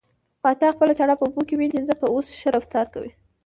پاچا خپله چاړه په اوبو کې وينې ځکه اوس ښه رفتار کوي .